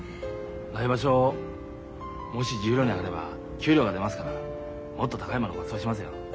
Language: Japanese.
来場所もし十両に上がれば給料が出ますからもっと高いものごちそうしますよ。